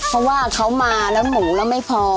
เพราะว่าเขามาแล้วหมูแล้วไม่พอ